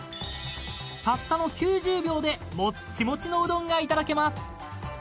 ［たったの９０秒でモッチモチのうどんがいただけます］